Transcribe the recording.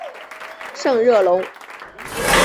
圣热龙。